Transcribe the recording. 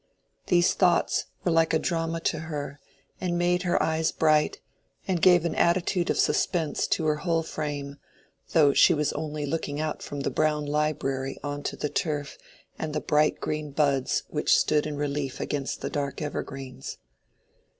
These thoughts were like a drama to her, and made her eyes bright, and gave an attitude of suspense to her whole frame, though she was only looking out from the brown library on to the turf and the bright green buds which stood in relief against the dark evergreens.